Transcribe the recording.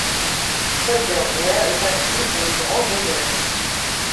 Cette dernière est incluse dans le Grand Genève.